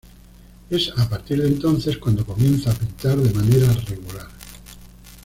Es a partir de entonces cuando comienza a pintar de manera regular.